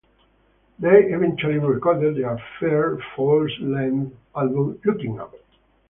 They eventually recorded their first full-length album, "Looking Up".